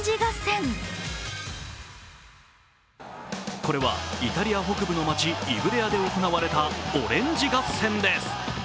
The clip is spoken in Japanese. これはイタリア北部の町イブレアで行われたオレンジ合戦です。